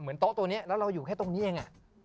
เหมือนโต๊ะตัวเนี่ยแล้วเราอยู่แค่ตรงนี้เอง